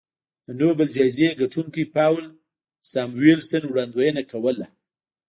د نوبل جایزې ګټونکي پاول ساموېلسن وړاندوینه کوله